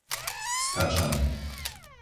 Skačany